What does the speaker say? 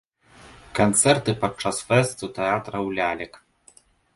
Канцэрты падчас фэсту тэатраў лялек.